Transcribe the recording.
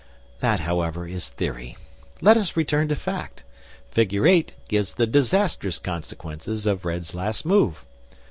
That, however, is theory; let us return to fact. Figure 8 gives the disastrous consequences of Red's last move.